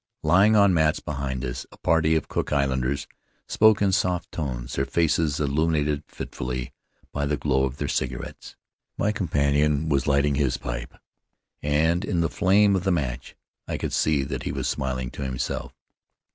Lying on mats behind us, a party of Cook Islanders spoke in soft tones, their faces illumin ated fitfully by the glow of their cigarettes. My com panion was lighting his pipe, and in the flare of the match I could see that he was smiling to himself.